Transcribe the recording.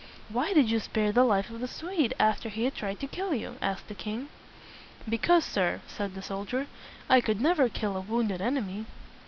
"Why did you spare the life of the Swede after he had tried to kill you?" asked the king. "Because, sir," said the soldier, "I could never kill a wounded enemy."